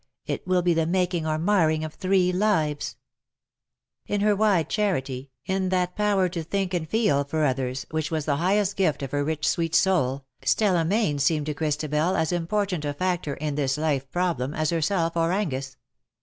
It will be the making or marring of three lives." In her wide charity, in that power to think and 270 LE SECRET DE POLICHINELLE. feel for others, whicli was the highest gift of her rich sweet soul; Stella Mayne seemed to Christabel as important a factor in this life problem as herself or Angus.